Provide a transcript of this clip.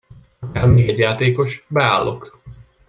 Ha kell még egy játékos, beállok!